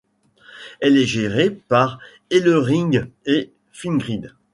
Elle est gérée par Elering et Fingrid.